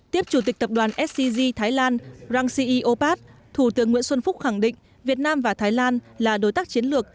tiếp chủ tịch tập đoàn scg thái lan rangsee opad thủ tướng nguyễn xuân phúc khẳng định việt nam và thái lan là đối tác chiến lược